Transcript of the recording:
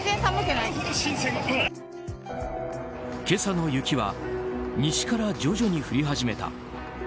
今朝の雪は西から徐々に降り始めた。